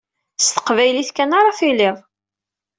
S teqbaylit kan ara tiliḍ.